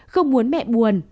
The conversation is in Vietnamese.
không muốn mẹ buồn